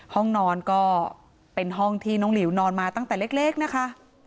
ห้องนอนก็เป็นห้องที่น้องหลิวนอนมาตั้งแต่เล็กนะคะ